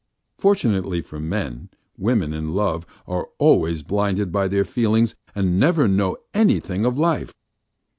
Fortunately for men, women in love are always blinded by their feelings and never know anything of life.